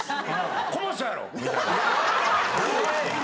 こぼしたやろ？みたいな。